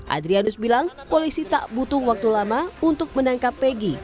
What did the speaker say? adrianus bilang polisi tak butuh waktu lama untuk menangkap peggy